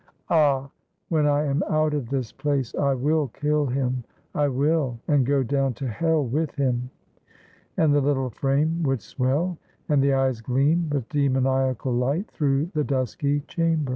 Ah! when I am out of this place, I will kill him! I will! and go down to hell with him !" And the little frame would swell, and the eyes gleam with demoniacal light through the dusky chamber.